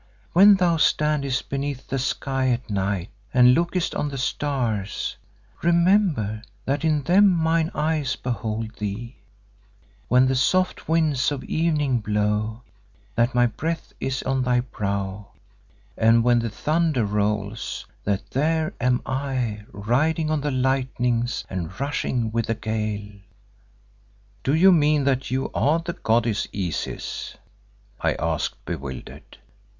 When thou standest beneath the sky at night and lookest on the stars, remember that in them mine eyes behold thee; when the soft winds of evening blow, that my breath is on thy brow and when the thunder rolls, that there am I riding on the lightnings and rushing with the gale." "Do you mean that you are the goddess Isis?" I asked, bewildered.